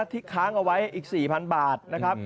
ทิ้งค้างเอาไว้อีกสี่พันบาทนะครับ